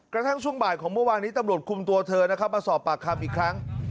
กระทั่งช่วงบ่ายของเมื่อวานนี้ตำรวจคุมตัวเธอมาสอบปากคำอีกครั้ง